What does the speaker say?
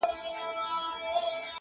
چي زړېږم مخ مي ولي د دعا پر لوري سم سي!